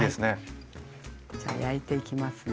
じゃあ焼いていきますね。